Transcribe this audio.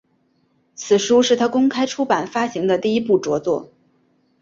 此书是他公开出版发行的第一部着作。